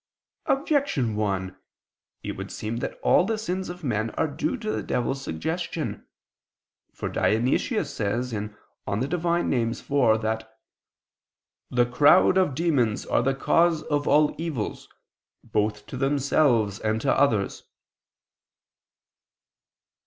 Objection 1: It would seem that all the sins of men are due to the devil's suggestion. For Dionysius says (Div. Nom. iv) that the "crowd of demons are the cause of all evils, both to themselves and to others."